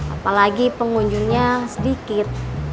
apalagi pengunjungnya sedikit